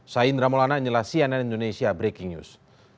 saya indra molana inilah cnn indonesia breaking news